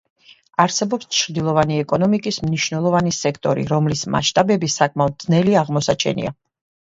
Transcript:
არსებობს ჩრდილოვანი ეკონომიკის მნიშვნელოვანი სექტორი, რომლის მასშტაბები საკმაოდ ძნელი აღმოსაჩენია.